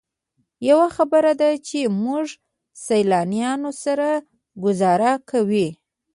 یوه خبره ده چې موږ سیلانیانو سره ګوزاره کوئ.